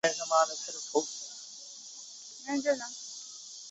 总兵府的历史年代为明代。